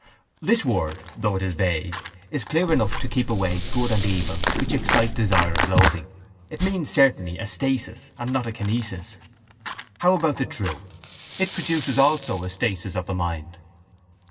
This word, though it is vague, is clear enough to keep away good and evil which excite desire and loathing. It means certainly a stasis and not a kinesis. How about the true? It produces also a stasis of the mind.